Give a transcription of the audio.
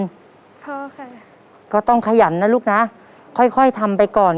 พ่อค่ะก็ต้องขยันนะลูกนะค่อยค่อยทำไปก่อน